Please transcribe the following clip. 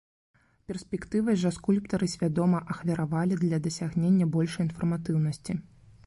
Перспектывай жа скульптары свядома ахвяравалі для дасягнення большай інфарматыўнасці.